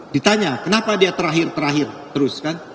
ditanya kenapa dia terakhir terakhir terus kan